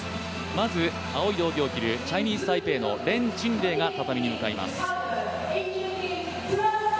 まず青い道着を着るチャイニーズ・タイペイの連珍羚が畳に向かいます。